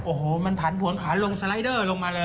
โอ้โหมันผันผวนขาลงสไลเดอร์ลงมาเลย